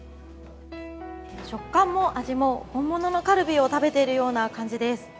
食感も味も本物のカルビを食べているような感じです。